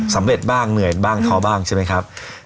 สำเร็จบ้างเหนื่อยบ้างท้อบ้างใช่ไหมครับ